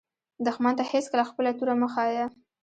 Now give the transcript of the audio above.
دښمن ته هېڅکله خپله توره مه ښایه